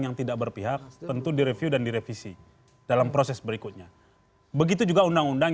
yang tidak berpihak tentu direview dan direvisi dalam proses berikutnya begitu juga undang undang